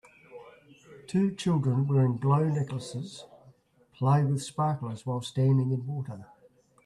Two children wearing glow necklaces play with sparklers while standing in water.